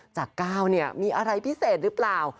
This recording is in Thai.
จากก้าวเนี่ยมีอะไรพิเศษหรือเปล่า